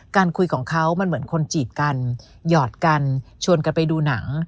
คุยของเขามันเหมือนคนจีบกันหยอดกันชวนกันไปดูหนัง